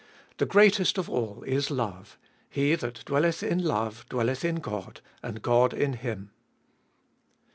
The greatest of all is love : he that dwelleth in love dwelleth in God, and God in him.